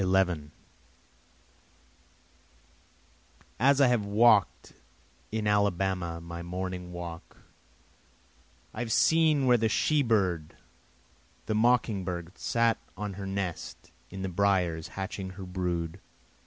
11 As I have walk'd in Alabama my morning walk, I have seen where the she bird the mocking bird sat on her nest in the briers hatching her brood.